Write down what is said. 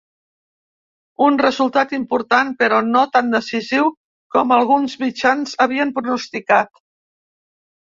Un resultat important, però no tan decisiu com alguns mitjans havien pronosticat.